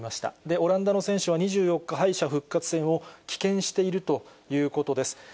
オランダの選手は２４日、敗者復活戦を棄権しているということです。